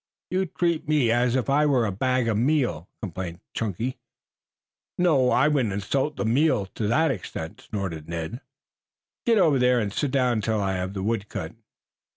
"You treat me as if I were a bag of meal," complained Chunky. "No, I wouldn't insult the meal to that extent," snorted Ned. "Get over there and sit down till I have the wood cut.